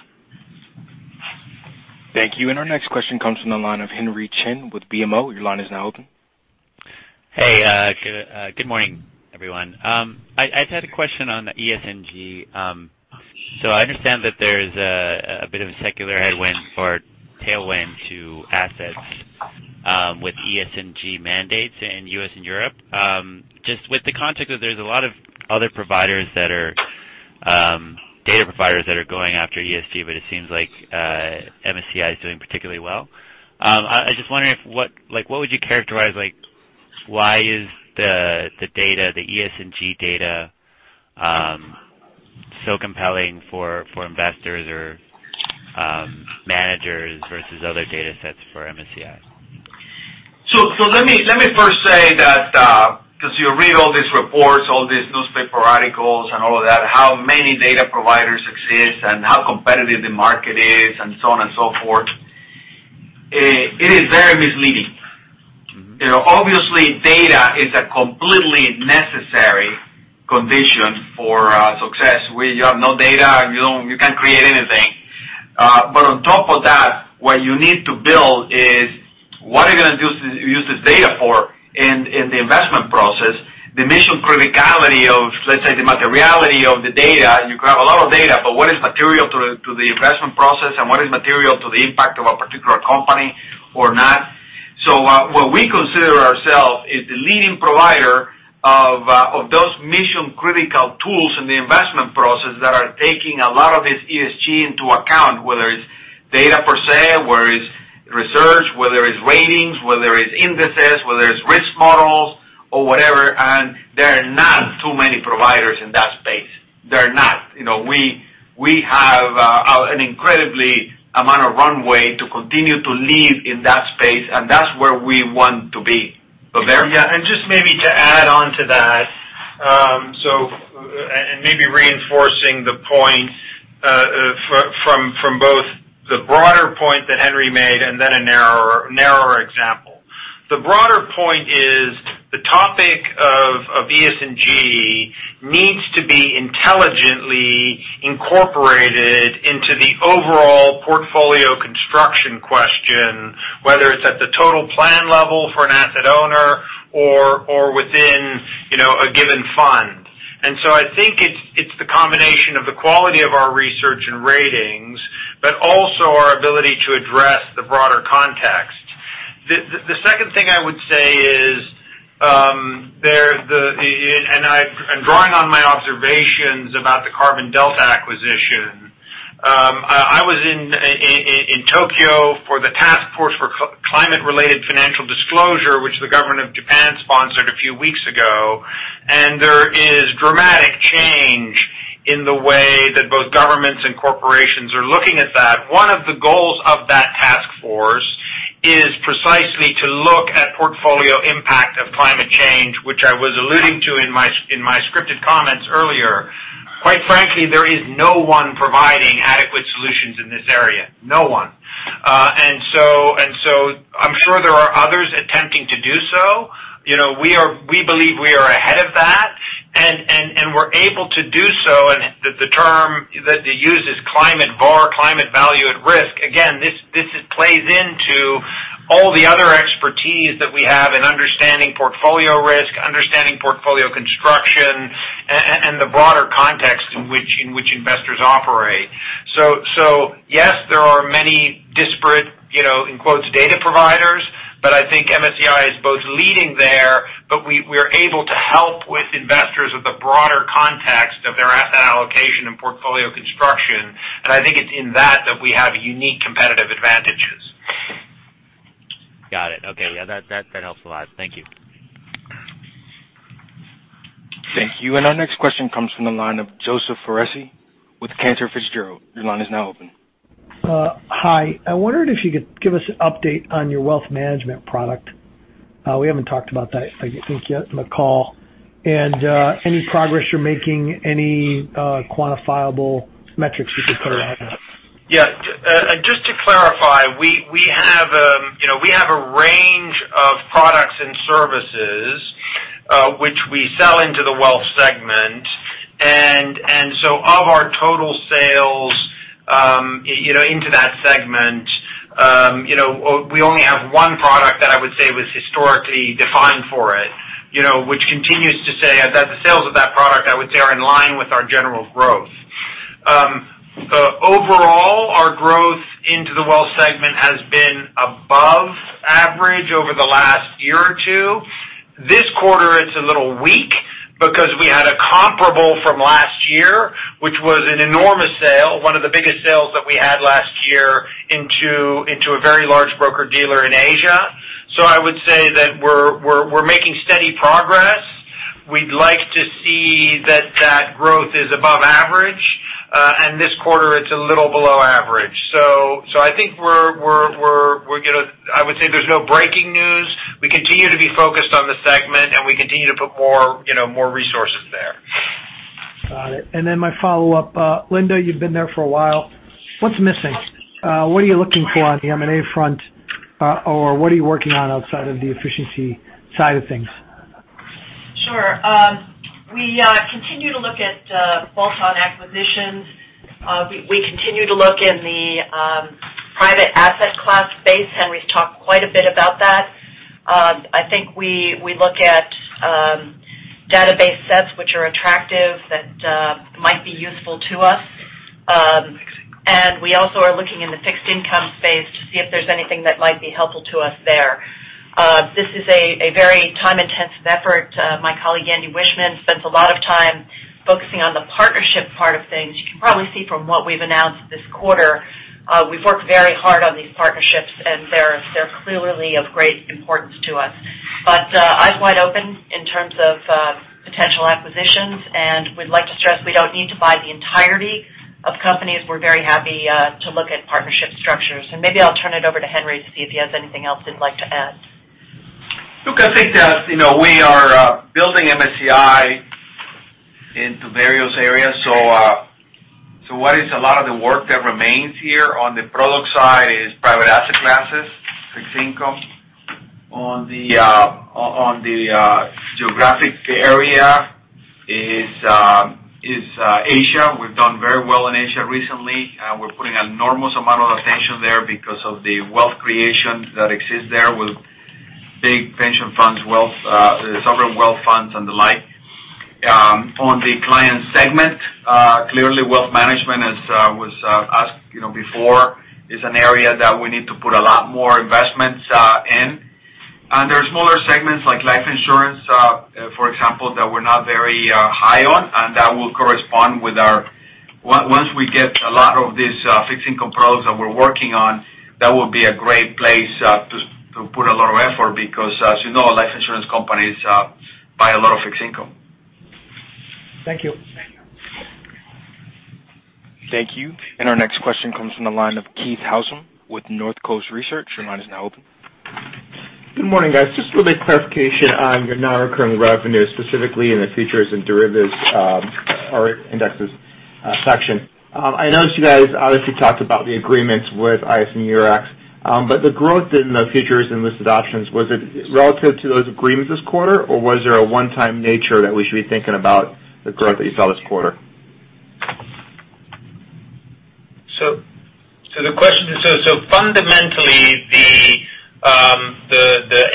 Thank you. Our next question comes from the line of Henry Chien with BMO. Your line is now open. Hey, good morning, everyone. I just had a question on the ESG. I understand that there's a bit of a secular headwind or tailwind to assets with ESG mandates in U.S. and Europe. Just with the context of there's a lot of other data providers that are going after ESG, but it seems like MSCI is doing particularly well. I was just wondering, what would you characterize why is the ESG data so compelling for investors or managers versus other data sets for MSCI? Let me first say that, because you read all these reports, all these newspaper articles, and all of that, how many data providers exist and how competitive the market is, and so on and so forth. It is very misleading. Obviously, data is a completely necessary condition for success. When you have no data, you can't create anything. On top of that, what you need to build is what are you going to use this data for in the investment process, the mission criticality of, let's say, the materiality of the data. You can have a lot of data, but what is material to the investment process and what is material to the impact of a particular company or not? What we consider ourselves is the leading provider of those mission-critical tools in the investment process that are taking a lot of this ESG into account, whether it's data per se, whether it's research, whether it's ratings, whether it's indices, whether it's risk models or whatever. There are not too many providers in that space. There are not. We have an incredible amount of runway to continue to lead in that space, and that's where we want to be. Yeah, just maybe to add on to that, and maybe reinforcing the point, from both the broader point that Henry made and then a narrower example. The broader point is the topic of ESG needs to be intelligently incorporated into the overall portfolio construction question, whether it's at the total plan level for an asset owner or within a given fund. I think it's the combination of the quality of our research and ratings, but also our ability to address the broader context. The second thing I would say is, I'm drawing on my observations about the Carbon Delta acquisition. I was in Tokyo for the Task Force on Climate-Related Financial Disclosures, which the government of Japan sponsored a few weeks ago, there is a dramatic change in the way that both governments and corporations are looking at that. One of the goals of that Task Force Is precisely to look at portfolio impact of climate change, which I was alluding to in my scripted comments earlier. Quite frankly, there is no one providing adequate solutions in this area. No one. I'm sure there are others attempting to do so. We believe we are ahead of that, and we're able to do so, and the term that they use is Climate VaR, Climate Value-at-Risk. Again, this plays into all the other expertise that we have in understanding portfolio risk, understanding portfolio construction, and the broader context in which investors operate. Yes, there are many disparate, in quotes, data providers, but I think MSCI is both leading there, but we are able to help with investors with the broader context of their asset allocation and portfolio construction. I think it's in that we have unique competitive advantages. Got it. Okay. Yeah, that helps a lot. Thank you. Thank you. Our next question comes from the line of Joseph Foresi with Cantor Fitzgerald. Your line is now open. Hi. I wondered if you could give us an update on your wealth management product. We haven't talked about that, I think, yet in the call. Any progress you're making, any quantifiable metrics you could put around that? Yeah. Just to clarify, we have a range of products and services, which we sell into the wealth segment. Of our total sales into that segment, we only have one product that I would say was historically defined for it, which continues to say that the sales of that product, I would say, are in line with our general growth. Overall, our growth into the wealth segment has been above average over the last year or two. This quarter, it's a little weak because we had a comparable from last year, which was an enormous sale, one of the biggest sales that we had last year into a very large broker-dealer in Asia. I would say that we're making steady progress. We'd like to see that that growth is above average. This quarter, it's a little below average. I think I would say there's no breaking news. We continue to be focused on the segment, and we continue to put more resources there. Got it. My follow-up. Linda, you've been there for a while. What's missing? What are you looking for on the M&A front? What are you working on outside of the efficiency side of things? Sure. We continue to look at bolt-on acquisitions. We continue to look in the private asset class space, and we've talked quite a bit about that. I think we look at database sets which are attractive that might be useful to us. We also are looking in the fixed income space to see if there's anything that might be helpful to us there. This is a very time-intensive effort. My colleague, Andy Wiechmann, spends a lot of time focusing on the partnership part of things. You can probably see from what we've announced this quarter, we've worked very hard on these partnerships, and they're clearly of great importance to us. Eyes wide open in terms of potential acquisitions, and we'd like to stress we don't need to buy the entirety of companies. We're very happy to look at partnership structures. Maybe I'll turn it over to Henry to see if he has anything else he'd like to add. Look, I think that we are building MSCI into various areas. What is a lot of the work that remains here on the product side is private asset classes, fixed income. On the geographic area is Asia. We've done very well in Asia recently. We're putting an enormous amount of attention there because of the wealth creation that exists there with big pension funds, sovereign wealth funds, and the like. On the client segment, clearly wealth management, as was asked before, is an area that we need to put a lot more investments in. There are smaller segments like life insurance, for example, that we're not very high on. Once we get a lot of these fixed income products that we're working on, that will be a great place to put a lot of effort because, as you know, life insurance companies buy a lot of fixed income. Thank you. Thank you. Our next question comes from the line of Keith Housum with Northcoast Research. Your line is now open. Good morning, guys. Just a little bit of clarification on your non-recurring revenue, specifically in the features and derivatives or indexes section. I noticed you guys obviously talked about the agreements with ICE and Eurex, but the growth in the features and listed options, was it relative to those agreements this quarter, or was there a one-time nature that we should be thinking about the growth that you saw this quarter? Fundamentally, the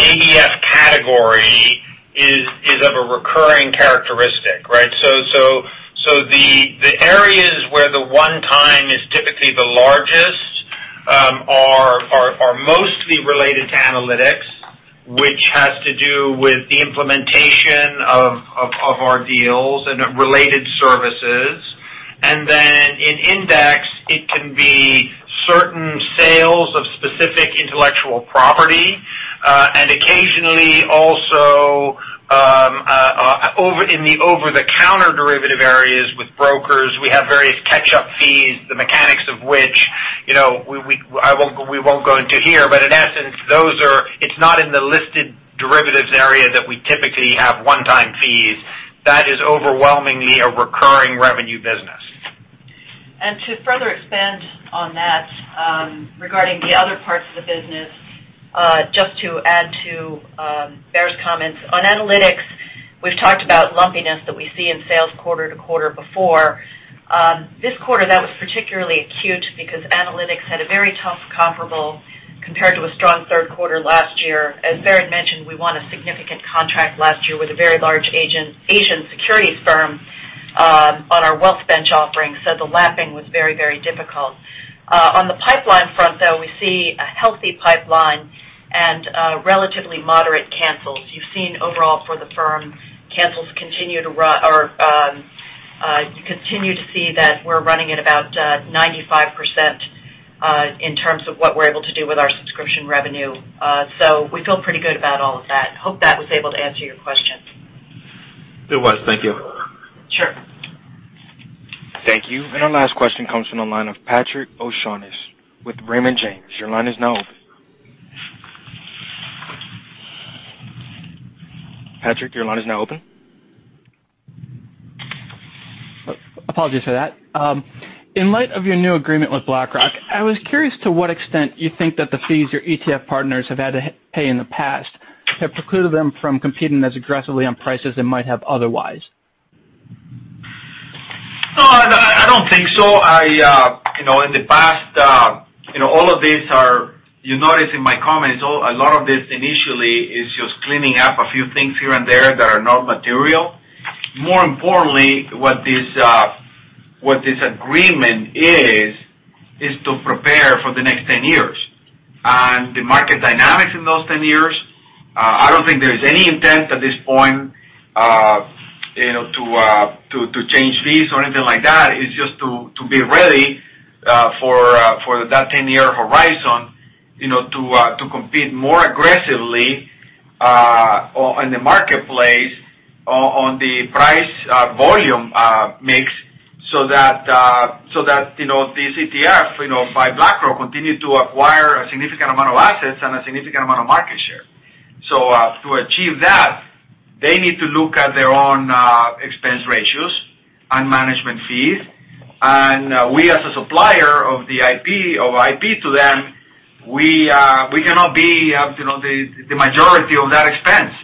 ABF category is of a recurring characteristic, right? The areas where the one-time is typically the largest are mostly related to analytics, which has to do with the implementation of our deals and related services. Then in index, it can be certain sales of specific intellectual property, and occasionally also the mechanics of which, we won't go into here, but in essence, it's not in the listed derivatives area that we typically have one-time fees. That is overwhelmingly a recurring revenue business. To further expand on that, regarding the other parts of the business, just to add to Baer's comments. On analytics, we've talked about lumpiness that we see in sales quarter to quarter before. This quarter, that was particularly acute because analytics had a very tough comparable compared to a strong third quarter last year. As Baer had mentioned, we won a significant contract last year with a very large Asian securities firm on our WealthBench offering. The lapping was very difficult. On the pipeline front, though, we see a healthy pipeline and relatively moderate cancels. You've seen overall for the firm, you continue to see that we're running at about 95% in terms of what we're able to do with our subscription revenue. We feel pretty good about all of that. Hope that was able to answer your question. It was. Thank you. Sure. Thank you. Our last question comes from the line of Patrick O'Shaughnessy with Raymond James. Your line is now open. Patrick, your line is now open. Apologies for that. In light of your new agreement with BlackRock, I was curious to what extent you think that the fees your ETF partners have had to pay in the past have precluded them from competing as aggressively on price as they might have otherwise. No, I don't think so. In the past, you notice in my comments, a lot of this initially is just cleaning up a few things here and there that are not material. More importantly, what this agreement is to prepare for the next 10 years. The market dynamics in those 10 years, I don't think there's any intent at this point to change fees or anything like that. It's just to be ready for that 10-year horizon, to compete more aggressively in the marketplace on the price-volume mix so that these ETFs, by BlackRock, continue to acquire a significant amount of assets and a significant amount of market share. To achieve that, they need to look at their own expense ratios and management fees. We, as a supplier of IP to them, we cannot be the majority of that expense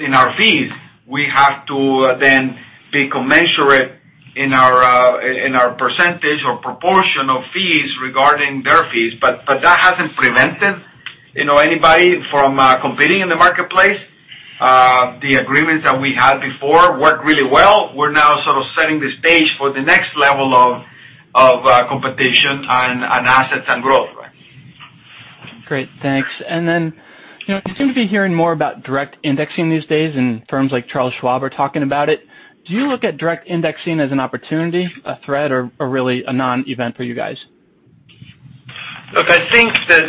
in our fees. We have to then be commensurate in our percentage or proportion of fees regarding their fees. That hasn't prevented anybody from competing in the marketplace. The agreements that we had before worked really well. We're now sort of setting the stage for the next level of competition on assets and growth. Great, thanks. You seem to be hearing more about direct indexing these days, and firms like Charles Schwab are talking about it. Do you look at direct indexing as an opportunity, a threat, or really a non-event for you guys? Look, I think that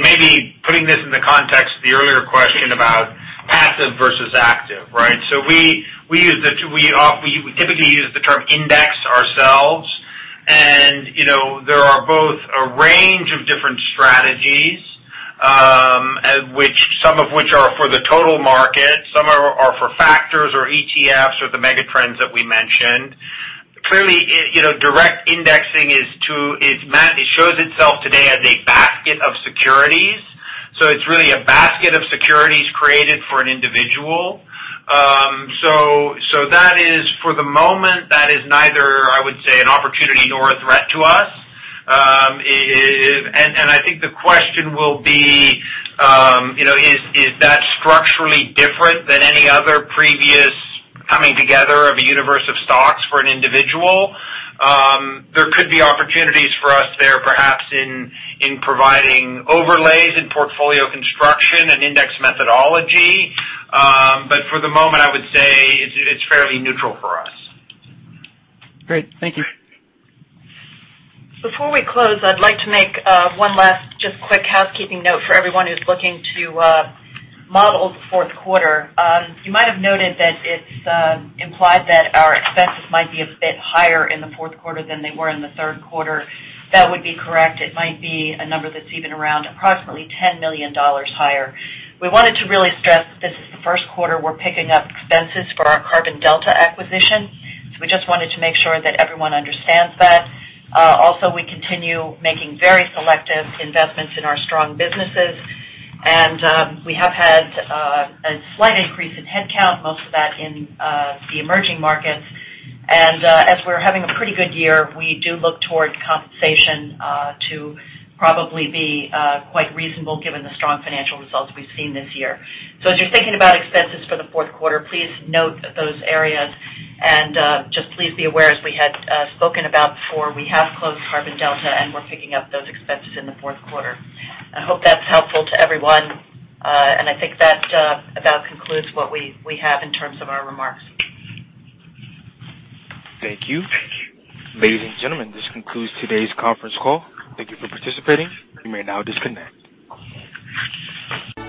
maybe putting this in the context of the earlier question about passive versus active, right? We typically use the term index ourselves, and there are both a range of different strategies, some of which are for the total market, some are for factors or ETFs or the mega trends that we mentioned. Clearly, direct indexing shows itself today as a basket of securities. It's really a basket of securities created for an individual. That is, for the moment, that is neither, I would say, an opportunity nor a threat to us. I think the question will be, is that structurally different than any other previous coming together of a universe of stocks for an individual? There could be opportunities for us there, perhaps in providing overlays in portfolio construction and index methodology. For the moment, I would say it's fairly neutral for us. Great. Thank you. Before we close, I'd like to make one last just quick housekeeping note for everyone who's looking to model the fourth quarter. You might have noted that it's implied that our expenses might be a bit higher in the fourth quarter than they were in the third quarter. That would be correct. It might be a number that's even around approximately $10 million higher. We wanted to really stress that this is the first quarter we're picking up expenses for our Carbon Delta acquisition, so we just wanted to make sure that everyone understands that. Also, we continue making very selective investments in our strong businesses, and we have had a slight increase in headcount, most of that in the emerging markets. As we're having a pretty good year, we do look toward compensation to probably be quite reasonable given the strong financial results we've seen this year. As you're thinking about expenses for the fourth quarter, please note those areas, and just please be aware, as we had spoken about before, we have closed Carbon Delta, and we're picking up those expenses in the fourth quarter. I hope that's helpful to everyone, and I think that about concludes what we have in terms of our remarks. Thank you. Ladies and gentlemen, this concludes today's conference call. Thank you for participating. You may now disconnect.